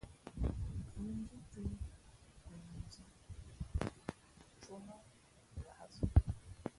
Nkhʉndhǐ cwēh, α kwe pαndhī cō nά hǎʼzʉ́.